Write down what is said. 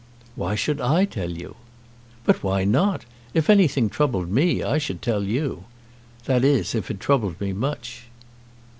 "Why should I tell you?" "But why not? If anything troubled me I should tell you. That is, if it troubled me much."